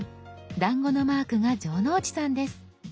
だんごのマークが城之内さんです。